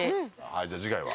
じゃあ次回は？